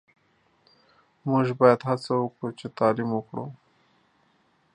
موژ باید هڅه وکړو چی تعلیم وکړو